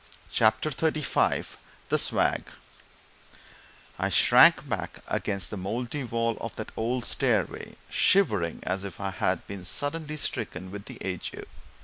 CHAPTER XXXV THE SWAG I shrank back against the mouldy wall of that old stairway shivering as if I had been suddenly stricken with the ague.